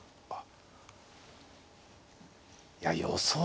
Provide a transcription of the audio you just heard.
あっ